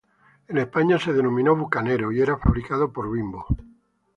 En España se denominó "Bucanero" y era fabricado por Bimbo.